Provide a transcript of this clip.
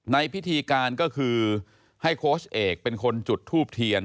ในพิธีการก็คือให้โค้ชเอกเป็นคนจุดทูบเทียน